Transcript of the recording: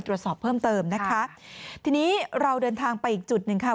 ฟังเสียงคุณแม่และก็น้องที่เสียชีวิตค่ะ